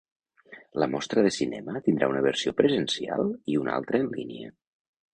La mostra de cinema tindrà una versió presencial i una altra en línia.